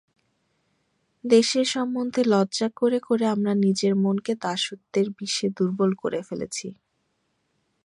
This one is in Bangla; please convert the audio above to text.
দেশের সম্বন্ধে লজ্জা করে করে আমরা নিজের মনকে দাসত্বের বিষে দুর্বল করে ফেলেছি।